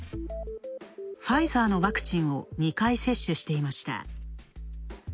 ファイザーのワクチンを２回接種していました。